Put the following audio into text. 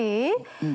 うん。